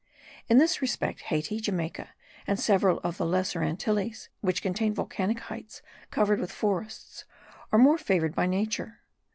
In this respect, Hayti, Jamaica, and several of the Lesser Antilles, which contain volcanic heights covered with forests, are more favoured by nature.